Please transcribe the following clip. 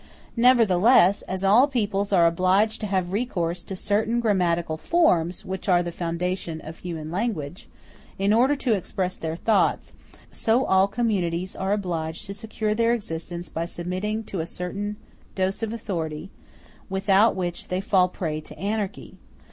Nevertheless, as all peoples are obliged to have recourse to certain grammatical forms, which are the foundation of human language, in order to express their thoughts; so all communities are obliged to secure their existence by submitting to a certain dose of authority, without which they fall a prey to anarchy.